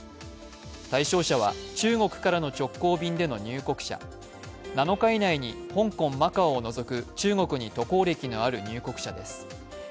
対象者は中国からの直行便での入国者、７日以内に香港・マカオを除く中国に渡航歴のある入国者です。